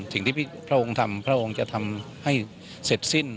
สิ่งที่พระองค์ทำพระองค์จะทำให้เสร็จสิ้น